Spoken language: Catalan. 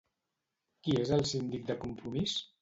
Qui és el síndic de Compromís?